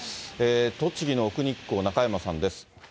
栃木の奥日光、中山さんです。